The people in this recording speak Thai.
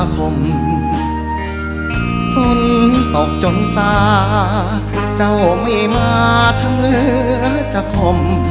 คมฟุ้นตกจนซาเจ้าไม่มาช่างเหลือจากคม